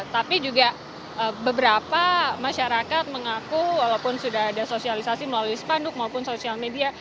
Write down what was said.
tapi juga beberapa masyarakat mengaku walaupun sudah ada sosialisasi melalui spanduk maupun sosial media